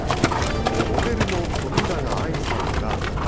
モデルの冨永愛さんが２人。